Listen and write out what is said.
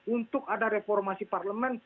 untuk ada reformasi parlemen